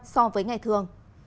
so với ngày thường